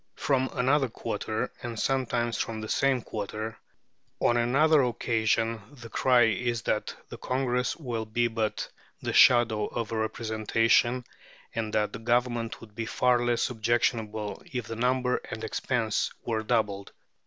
From another quarter, and sometimes from the same quarter, on another occasion the cry is that the Congress will be but the shadow of a representation, and that the government would be far less objectionable if the number and the expense were doubled.